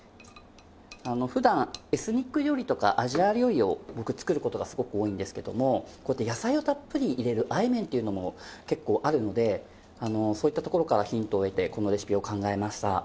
普段エスニック料理とかアジア料理を僕作る事がすごく多いんですけどもこうやって野菜をたっぷり入れるあえ麺っていうのも結構あるのでそういったところからヒントを得てこのレシピを考えました。